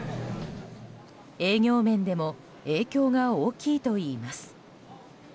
営業面でも影響が大きいといいます。